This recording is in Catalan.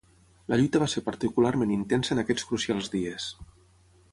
La lluita va ser particularment intensa en aquests crucials dies.